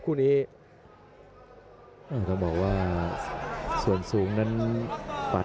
พยายามจะไถ่หน้านี่ครับการต้องเตือนเลยครับ